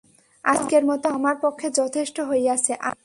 আজকের মতো আমার পক্ষে যথেষ্ট হইয়াছে, আর নয়।